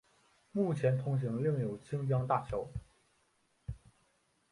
目前通行另有清江大桥。